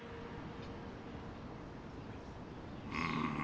うん。